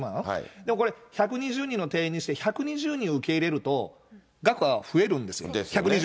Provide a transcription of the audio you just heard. でもこれ、１２０人の定員にして、１２０人を受け入れると、額は増えるんですよ、１２０。